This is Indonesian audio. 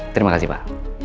terima kasih pak